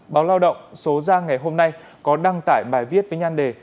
báo lao động số ra ngày hôm nay có đăng tải bài viết với nhan đề